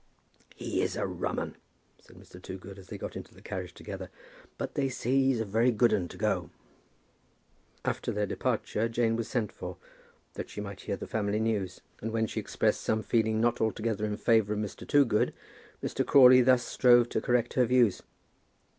"He is a rum 'un," said Mr. Toogood, as they got into the carriage together; "but they say he's a very good 'un to go." After their departure Jane was sent for, that she might hear the family news; and when she expressed some feeling not altogether in favour of Mr. Toogood, Mr. Crawley thus strove to correct her views.